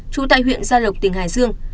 trụ tại huyện gia lộc tỉnh hải dương